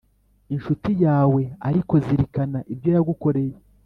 Incuti Yawe Ariko Zirikana Ibyo Yagukoreye